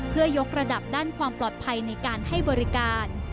เพื่อยกระดับด้านความปลอดภัยในการให้บริการ